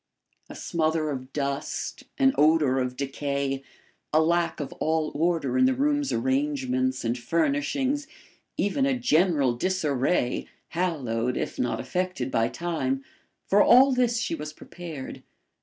A smother of dust an odour of decay a lack of all order in the room's arrangements and furnishings even a general disarray, hallowed, if not affected, by time for all this she was prepared.